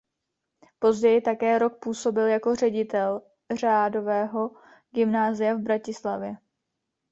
Později také rok působil jako ředitel řádového gymnázia v Bratislavě.